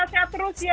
sehat sehat terus ya